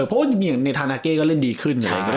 เพราะว่าในธนาเกก็เล่นดีขึ้น